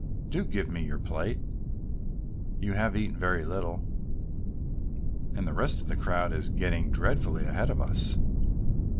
Do give me your plate, you have eaten very little and the rest of the crowd is getting dreadfully ahead of us."